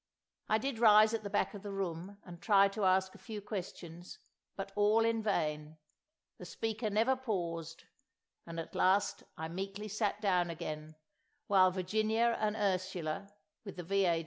I did rise at the back of the room and try to ask a few questions, but all in vain; the speaker never paused, and at last I meekly sat down again, while Virginia and Ursula, with the V.A.